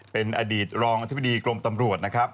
เป็นอดีตรองอธิบดีกรมตำรวจนะครับ